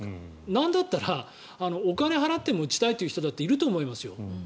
なんだったらお金を払って打ちたいという人だっていると思いますよ。